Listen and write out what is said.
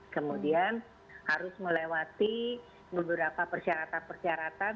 kemudian harus melewati beberapa persyaratan persyaratan